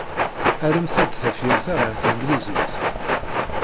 Rremt-d tafyirt-a ɣer tanglizit.